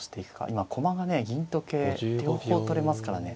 今駒がね銀と桂両方取れますからね。